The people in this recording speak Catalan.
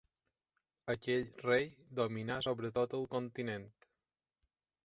Aquell rei dominà sobre tot el continent.